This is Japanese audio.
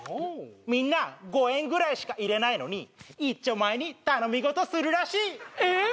みんな５円ぐらいしか入れないのに一丁前に頼み事するらしいえ！？